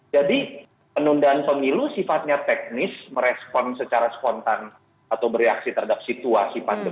jadi penundaan pemilu sifatnya teknis merespon secara spontan atau bereaksi terhadap situasi pandemi